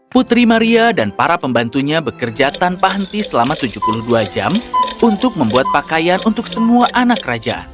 putri maria dan para pembantunya bekerja tanpa henti selama tujuh puluh dua jam untuk membuat pakaian untuk semua anak raja